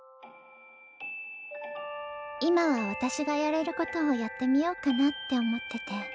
今は私がやれることをやってみようかなって思ってて。